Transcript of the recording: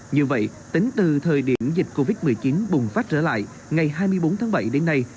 như vậy tính từ thời điểm dịch covid một mươi chín bùng phát trở lại ngày hai mươi bốn tháng bảy đến nay